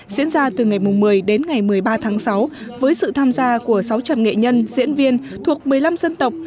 diễn ra từ ngày một mươi đến ngày một mươi ba tháng sáu với sự tham gia của sáu trăm linh nghệ nhân diễn viên thuộc một mươi năm dân tộc